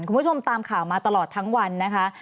คุณผู้ชมตามข่าวมาตลอดทั้งวันนะคะ